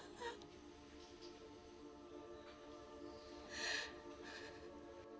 dia tidak berdosa apa apa ya allah